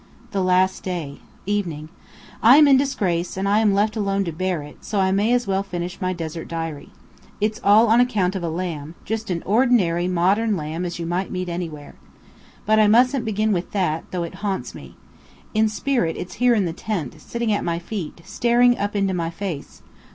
The Last Day. Evening: I am in disgrace, and am left alone to bear it, so I may as well finish my Desert Diary. It's all an account of a lamb, just an ordinary, modern lamb you might meet anywhere. But I mustn't begin with that, though it haunts me. In spirit it's here in the tent, sitting at my feet, staring up into my face.